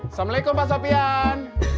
assalamualaikum pak sofian